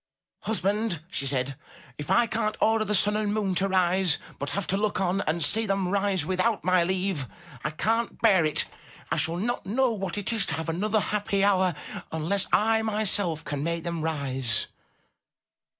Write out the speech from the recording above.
"Husband!" she said, "if I can't order the sun and moon to rise, but have to look on and see them rise without my leave, I can't bear it. I shall not know what it is to have another happy hour unless I myself can make them rise."